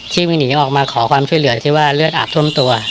วิ่งหนีออกมาขอความช่วยเหลือที่ว่าเลือดอาบท่วมตัว